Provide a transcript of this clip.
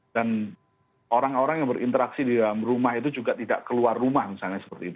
orang orang yang berinteraksi di dalam rumah itu juga tidak keluar rumah misalnya seperti itu